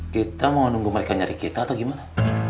kita mau nunggu mereka nyari kita atau gimana